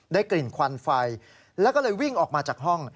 กลิ่นควันไฟแล้วก็เลยวิ่งออกมาจากห้อง